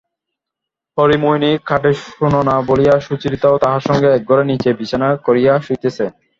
হরিমোহিনী খাটে শোন না বলিয়া সুচরিতাও তাঁহার সঙ্গে এক ঘরে নীচে বিছানা করিয়া শুইতেছে।